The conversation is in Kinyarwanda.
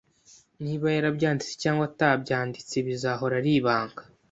Niba yarabyanditse cyangwa atabyanditse bizahora ari ibanga